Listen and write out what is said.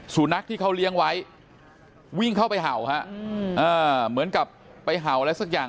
สุนัขที่เขาเลี้ยงไว้วิ่งเข้าไปเห่าฮะเหมือนกับไปเห่าอะไรสักอย่าง